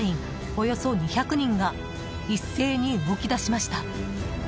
およそ２００人が一斉に動き出しました。